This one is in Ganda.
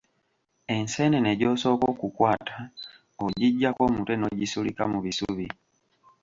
Enseenene gy'osooka okukwata ogiggyako omutwe n'ogisulika mu bisubi.